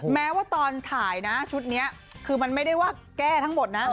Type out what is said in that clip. แม้ว่าตอนถ่ายนะชุดนี้คือมันไม่ได้ว่าแก้ทั้งหมดนะ